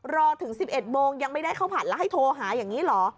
รอถึง๑๑โมงยังไม่ได้ข้าวผัดแล้วให้โทรหาอย่างนี้เหรอ